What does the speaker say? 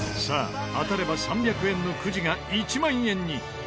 さあ当たれば３００円のくじが１万円に。